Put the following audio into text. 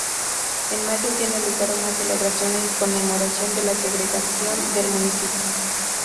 En mayo tiene lugar una celebración en conmemoración de la segregación del municipio.